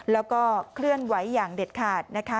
แล้วก็เคลื่อนไหวอย่างเด็ดขาดนะคะ